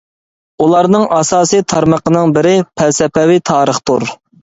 ئۇلارنىڭ ئاساسىي تارمىقىنىڭ بىرى، پەلسەپىۋى تارىختۇر.